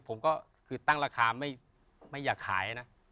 ผมก็คือตั้งราคาไม่อยากขายนะ